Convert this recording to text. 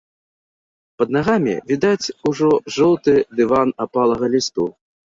Пад нагамі відаць ужо жоўты дыван апалага лісту.